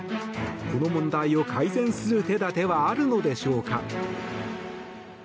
この問題を改善する手立てはあるのでしょうか？